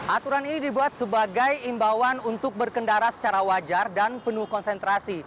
aturan ini dibuat sebagai imbauan untuk berkendara secara wajar dan penuh konsentrasi